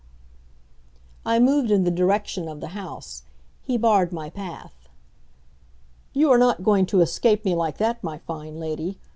I moved in the direction of the house. He barred my path. "You are not going to escape me like that, my fine lady.